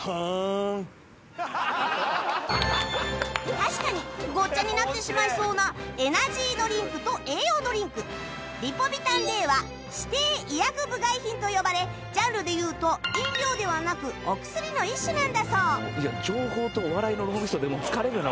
確かにごっちゃになってしまいそうなエナジードリンクと栄養ドリンクリポビタン Ｄ は指定医薬部外品と呼ばれジャンルでいうと飲料ではなくお薬の一種なんだそう